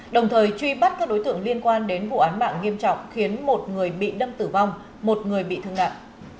đồng thời truy bắt các đối tượng liên quan đến vụ án mạng nghiêm trọng khiến một người bị đâm tử vong một người bị thương nặng